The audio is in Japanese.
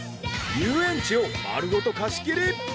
遊園地を丸ごと貸し切り！